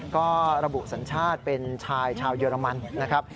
ก็ระบุสัญชาติเป็นชายชาวเยอรมันนะครับ